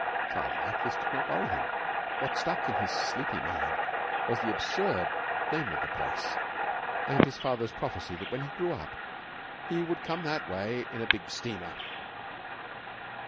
Childlike, this did not worry him. What stuck in his sleepy mind was the absurd name of the place and his father's prophecy that when he grew up he would 'come that way in a big steamer.'